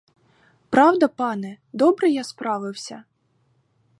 Правда, пане, добре я справився?